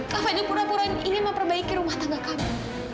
kak fadil pura pura ingin memperbaiki rumah tangga kami